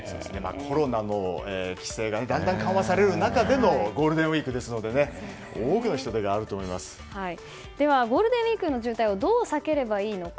コロナの規制がだんだん緩和される中でのゴールデンウィークですので多くの人出がゴールデンウィークの渋滞をどう避ければいいのか。